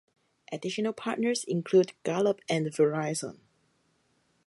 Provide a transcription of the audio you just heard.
Additional partners include Gallup and Verizon.